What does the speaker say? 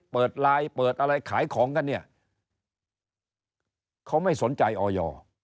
เปิดไลน์เปิดอะไรขายของกันเนี่ยเขาไม่สนใจออย